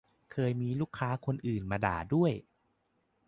เคยมีลูกค้าคนอื่นมาด่าด้วย